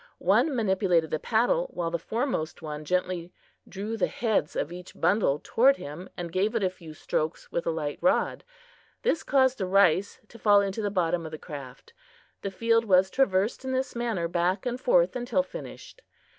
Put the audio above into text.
One manipulated the paddle, while the foremost one gently drew the heads of each bundle toward him and gave it a few strokes with a light rod. This caused the rice to fall into the bottom of the craft. The field was traversed in this manner back and forth until finished.